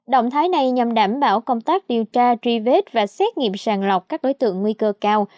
động thái này nhằm đảm bảo công tác điều tra truy vết và xét nghiệm sàng lọc các đối tượng nguy cơ cao